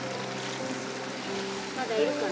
まだいるかな？